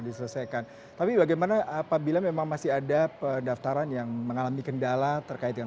diselesaikan tapi bagaimana apabila memang masih ada pendaftaran yang mengalami kendala terkait dengan